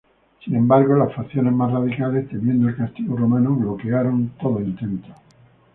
Sin embargo, las facciones más radicales, temiendo el castigo romano, bloquearon todo intento.